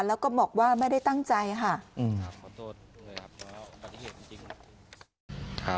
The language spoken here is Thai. แล้วก็บอกว่าไม่ได้ตั้งใจค่ะ